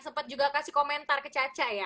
sempat juga kasih komentar ke caca ya